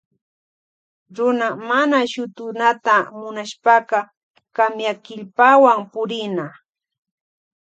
Runa mana shutunata munashpaka kamyakillpawan purina.